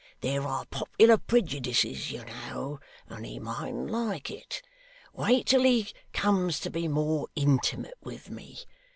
There are popular prejudices, you know, and he mightn't like it. Wait till he comes to be more intimate with me.